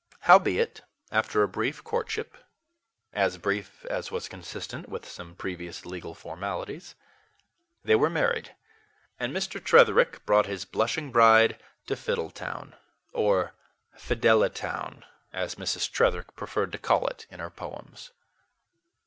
Howbeit, after a brief courtship as brief as was consistent with some previous legal formalities they were married; and Mr. Tretherick brought his blushing bride to Fiddletown, or "Fideletown," as Mrs. Tretherick preferred to call it in her poems.